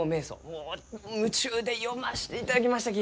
もう夢中で読ましていただきましたき！